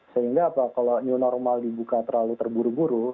sehingga kalau new normal dibuka terlalu terburu buru